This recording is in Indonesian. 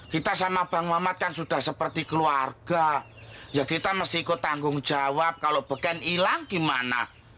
kita sama bang mamat kan sudah seperti keluarga ya kita mesti ikut tanggung jawab kalau beken hilang gimana